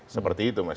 seperti itu mas